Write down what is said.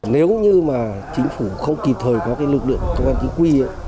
nếu như mà chính phủ không kịp thời có cái lực lượng của công an chính quy